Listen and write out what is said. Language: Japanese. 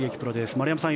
丸山さん